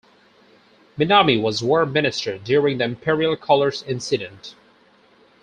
Minami was War Minister during the Imperial Colors Incident.